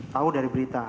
tahu dari berita